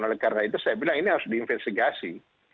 oleh karena itu saya bilang ini harus diinvestigasi